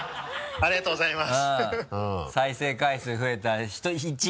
ありがとうございます。